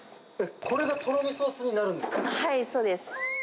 これがとろみソースになるんはい、そうです。